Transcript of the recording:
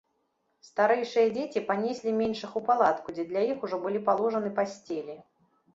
Старэйшыя дзеці панеслі меншых у палатку, дзе для іх ужо былі паложаны пасцелі.